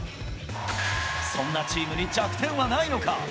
そんなチームに弱点はないのか。